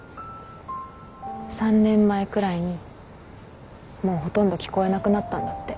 ３年前くらいにもうほとんど聞こえなくなったんだって。